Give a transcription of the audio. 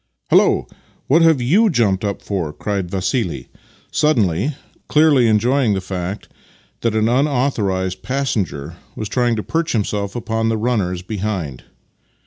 " Hullo! What have you jumped up for? " cried Vassili, suddenly, clearly enjoying the fact that an unauthorized passenger was trying to perch himself upon the runners behind.